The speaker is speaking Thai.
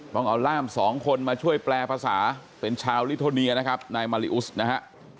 ต้องเอาร่ามสองคนมาช่วยแปลภาษาเป็นชาวลิโทเนียนะครับนายมาริอุสนะฮะ